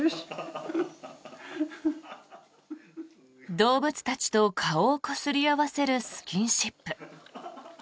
動物たちと顔をこすり合わせるスキンシップ。